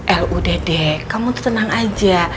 elu dede kamu tenang aja